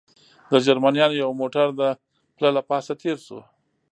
د جرمنیانو یو موټر د پله له پاسه تېر شو.